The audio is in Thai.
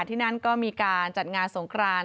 ที่นั่นก็มีการจัดงานสงคราน